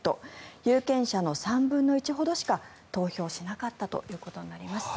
有権者の３分の１ほどしか投票しなかったということになります。